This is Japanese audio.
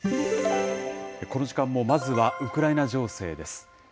この時間も、まずはウクライナ情勢です。